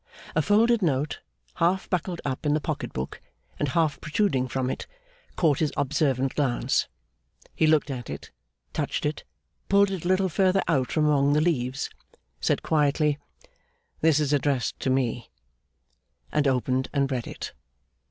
A folded note half buckled up in the pocket book, and half protruding from it, caught his observant glance. He looked at it, touched it, pulled it a little further out from among the leaves, said quietly, 'This is addressed to me,' and opened and read it.